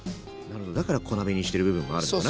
だから小鍋にしてる部分もあるのかな。